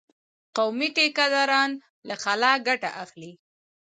قومي ټيکه داران له خلا ګټه اخلي.